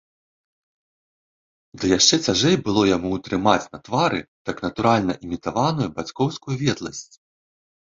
Ды яшчэ цяжэй было яму ўтрымаць на твары так натуральна імітаваную бацькоўскую ветласць.